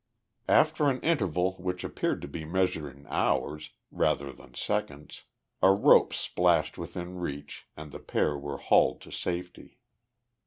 After an interval which appeared to be measured in hours, rather than seconds, a rope splashed within reach and the pair were hauled to safety.